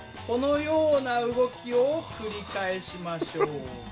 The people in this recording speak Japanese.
このような動きを繰り返しましょう。